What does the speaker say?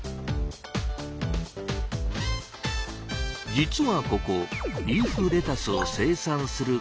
実はここリーフレタスを生産する工場なんです。